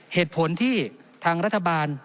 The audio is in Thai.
เหตุผลที่ทางรัฐบาล